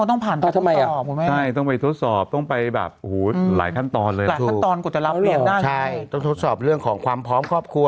ต้องทดสอบเรื่องของความพร้อมครอบครัว